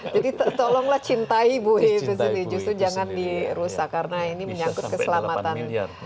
jadi tolonglah cintai bui itu sendiri justru jangan dirusak karena ini menyangkut keselamatan